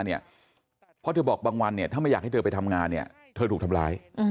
เพราะเธอบอกบางวันถ้าไม่อยากให้เธอไปทำงานเธอถูกทำร้าย